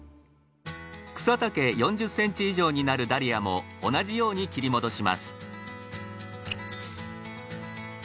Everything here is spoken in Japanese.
草丈４０ｃｍ以上になるダリアも同じように切り戻します。